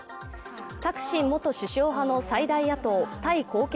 タクシン元首相派の最大野党タイ貢献